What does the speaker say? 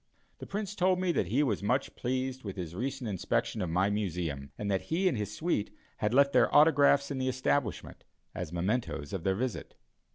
The Prince told me that he was much pleased with his recent inspection of my Museum, and that he and his suite had left their autographs in the establishment, as mementos of their visit.